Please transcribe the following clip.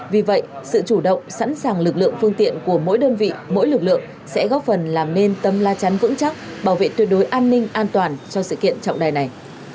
vì vậy sự chủ động sẵn sàng lực lượng phương tiện của mỗi đơn vị mỗi lực lượng sẽ góp phần làm nên tấm la chắn vững chắc bảo vệ tuyệt đối an ninh an toàn cho sự kiện trọng đại này